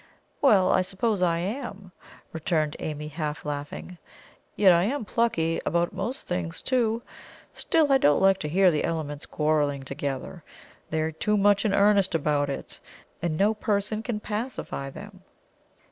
"Well, I suppose I am," returned Amy, half laughing. "Yet I am plucky about most things, too. Still I don't like to hear the elements quarrelling together they are too much in earnest about it and no person can pacify them."